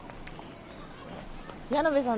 矢野部さん